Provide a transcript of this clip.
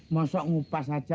masuk ngupas aja